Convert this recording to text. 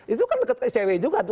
itu kan dekat ke icw juga tuh